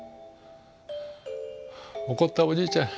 怒ったおじいちゃん